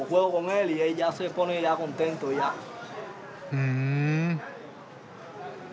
ふん。